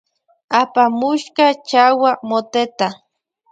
Apamushka chawa moteta.